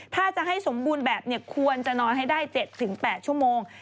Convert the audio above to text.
ถ้าจะให้สมบูรณ์แบบควรจะนอนให้ได้๗๘ชั่วโมง